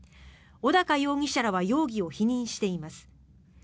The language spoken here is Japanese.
小高容疑者らは容疑を否認しています。